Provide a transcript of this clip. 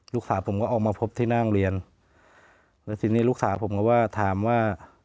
ลูกสาวผมก็ออกมาพบที่หน้าโรงเรียนแล้วทีนี้ลูกสาวผมก็ว่าถามว่า